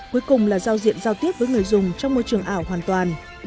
cuối cùng là giao diện giao tiếp với người dùng trong môi trường ảo hoàn toàn